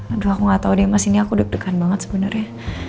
aduh aku gak tau deh mas ini aku deg degan banget sebenarnya